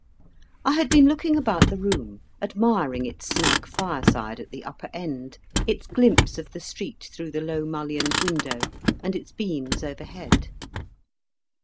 I had been looking about the room, admiring its snug fireside at the upper end, its glimpse of the street through the low mullioned window, and its beams overhead.